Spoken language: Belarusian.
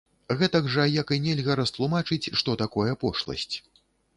Гэтак жа, як і нельга растлумачыць, што такое пошласць.